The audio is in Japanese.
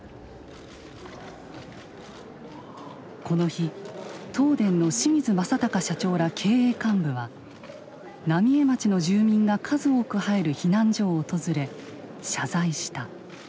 この日東電の清水正孝社長ら経営幹部は浪江町の住民が数多く入る避難所を訪れ謝罪した。